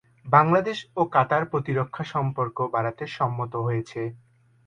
বাংলাদেশ ও কাতার প্রতিরক্ষা সম্পর্ক বাড়াতে সম্মত হয়েছে।